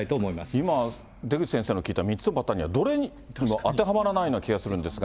今、出口先生に聞いた、３つのパターンのどれにも当てはまらないような気がするんですが。